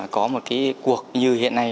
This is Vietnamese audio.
có một cái cuộc như hiện nay